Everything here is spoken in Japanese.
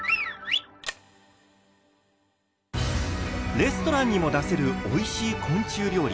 レストランにも出せるおいしい昆虫料理。